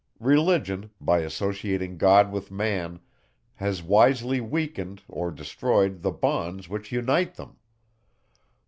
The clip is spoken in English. Religion, by associating God with Man, has wisely weakened, or destroyed, the bonds, which unite them.